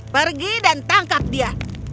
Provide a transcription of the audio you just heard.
pergi dan tangkap dia